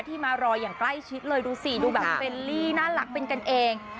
มารออย่างใกล้ชิดเลยดูสิดูแบบเฟลลี่น่ารักเป็นกันเอง